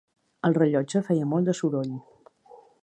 El rellotge feia molt de soroll.